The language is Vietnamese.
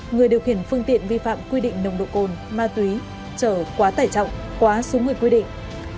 người điều khiển phương tiện vi phạm quy định nồng độ cồn ma túy trở quá tải trọng quá số người quy định